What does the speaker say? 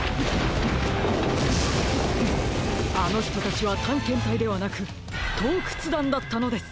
あのひとたちはたんけんたいではなくとうくつだんだったのです！